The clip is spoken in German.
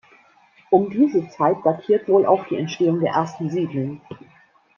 Um diese Zeit datiert wohl auch die Entstehung der ersten Siedlung.